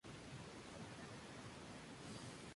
Hilda Sosa y Lic.